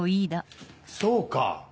そうか！